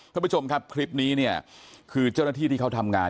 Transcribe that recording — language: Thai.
ท่านผู้ชมครับคลิปนี้เนี่ยคือเจ้าหน้าที่ที่เขาทำงาน